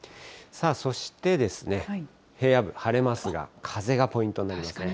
さあ、そして平野部、晴れますが、風がポイントになります。